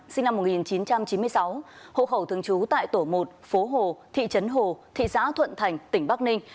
sinh năm một nghìn chín trăm chín mươi sáu hộ khẩu thường trú tại tổ một phố hồ thị trấn hồ thị xã thuận thành tỉnh bắc ninh